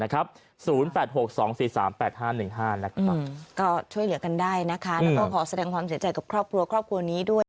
ก็ช่วยเหลือกันได้นะคะแล้วก็ขอแสดงความเสียใจกับครอบครัวครอบครัวนี้ด้วย